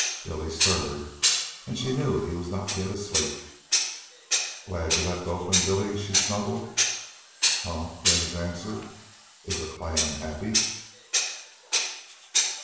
Billy stirred, and she knew he was not yet asleep. "Glad you left Oakland, Billy?" she snuggled. "Huh!" came his answer. "Is a clam happy?"